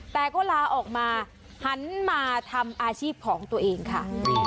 แต่ก็ลาออกมาหันมาทำอาชีพของตัวเองค่ะ